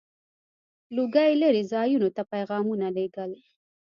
• لوګی لرې ځایونو ته پيغامونه لیږل.